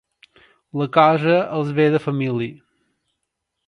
La cosa els ve de família.